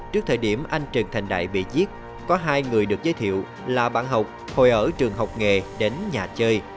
trước thời điểm anh trần thành đại bị giết có hai người được giới thiệu là bạn học hồi ở trường học nghề đến nhà chơi